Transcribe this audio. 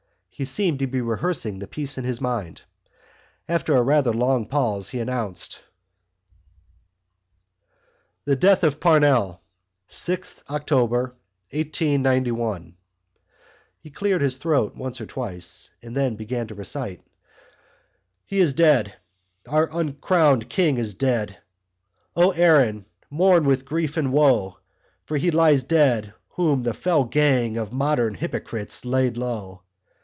He seemed to be rehearsing the piece in his mind. After a rather long pause he announced: THE DEATH OF PARNELL 6_th October_ 1891 He cleared his throat once or twice and then began to recite: He is dead. Our Uncrowned King is dead. O, Erin, mourn with grief and woe For he lies dead whom the fell gang Of modern hypocrites laid low.